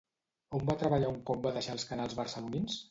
On va treballar un cop va deixar els canals barcelonins?